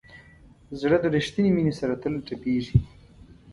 زړه د ریښتینې مینې سره تل تپېږي.